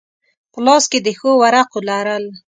په لاس کې د ښو ورقو لرل.